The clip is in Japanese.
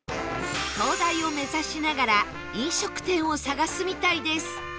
灯台を目指しながら飲食店を探すみたいです